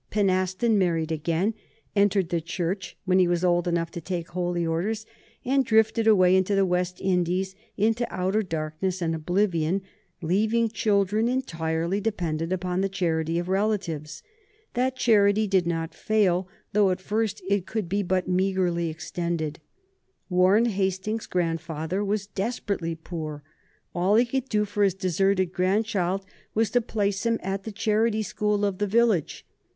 Pynaston married again, entered the Church, when he was old enough to take holy orders, and drifted away into the West Indies into outer darkness and oblivion, leaving children entirely dependent upon the charity of relatives. That charity did not fail, though at first it could be but meagrely extended. Warren Hastings's grandfather was desperately poor. All he could do for his deserted grandchild was to place him at the charity school of the village.